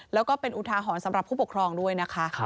แล้วก็เป็นอุทาหรณ์สำหรับผู้ปกครองด้วยนะคะ